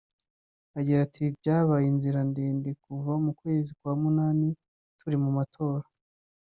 Agira ati “Byabaye inzira ndende kuva mu kwezi kwa Munani turi mu matora